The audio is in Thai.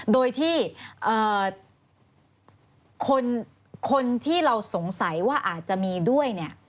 โดยที่คนที่เราสงสัยว่าอาจจะมีด้วยเนี่ย